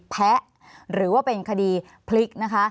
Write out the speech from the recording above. ภารกิจสรรค์ภารกิจสรรค์